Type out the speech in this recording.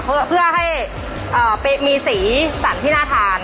เพื่อให้มีสีสันที่น่าทาน